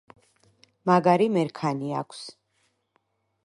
მაგარი მერქანი აქვს.